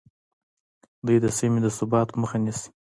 دوی د سیمې د ثبات مخه نیسي